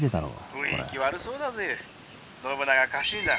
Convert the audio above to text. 「雰囲気悪そうだぜ信長家臣団」。